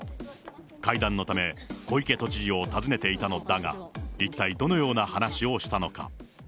会談のため、小池都知事を訪ねていたのだが、一体どのような話をしたのか。